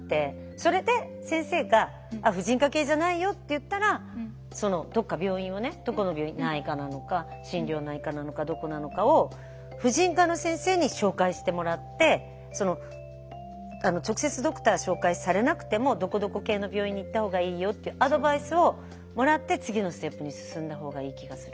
それで先生が「婦人科系じゃないよ」って言ったらそのどっか病院をねどこの病院内科なのか心療内科なのかどこなのかを婦人科の先生に紹介してもらって直接ドクター紹介されなくてもどこどこ系の病院に行ったほうがいいよっていうアドバイスをもらって次のステップに進んだほうがいい気がする。